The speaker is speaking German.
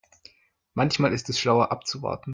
Manchmal ist es schlauer abzuwarten.